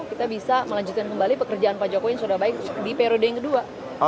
kita bisa melanjutkan kembali pekerjaan pak jokowi yang sudah baik di periode yang kedua